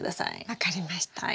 分かりました。